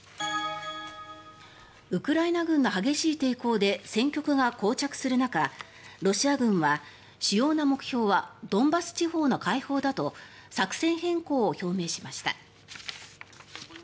ウクライナ軍の激しい抵抗で戦局がこう着する中ロシア軍は、主要な目標はドンバス地方の解放だと作戦変更を表明しました。